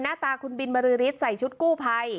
หน้าตาคุณบินบรือฤทธิ์ใส่ชุดกู้ภัย